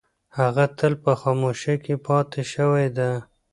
هغه تل په خاموشۍ کې پاتې شوې ده.